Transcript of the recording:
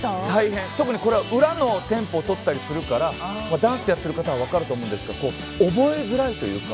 特にこれは裏のテンポをとったりするからダンスをやっている方は分かると思いますが覚えづらい。